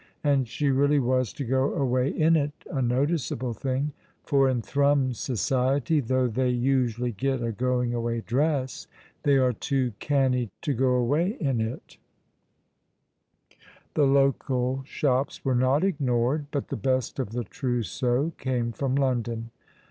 And she really was to go away in it, a noticeable thing, for in Thrums society, though they usually get a going away dress, they are too canny to go away in it The local shops were not ignored, but the best of the trousseau came from London.